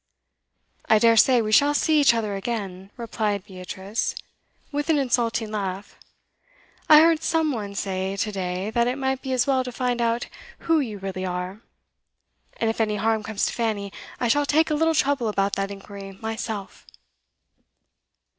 'I dare say we shall see each other again,' replied Beatrice, with an insulting laugh. 'I heard some one say to day that it might be as well to find out who you really are. And if any harm comes to Fanny, I shall take a little trouble about that inquiry myself.